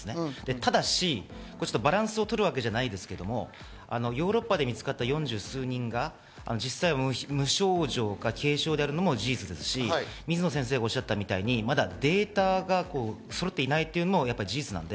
ただしバランスをとるわけじゃないですけど、ヨーロッパで見つかった４０数人が実際、無症状か軽症であるのも事実ですし、水野先生がおっしゃったようにまだデータがそろっていないというのも事実なので。